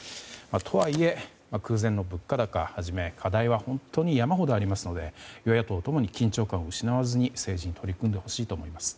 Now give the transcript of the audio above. とはいえ、空前の物価高をはじめ課題は本当に山ほどありますので与野党ともに緊張感を失わずに政治に取り組んでほしいと思います。